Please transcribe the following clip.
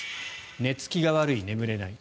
寝つきが悪い、眠れない。